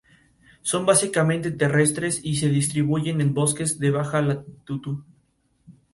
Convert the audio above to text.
Son básicamente terrestres y se distribuyen en bosques de baja altitud.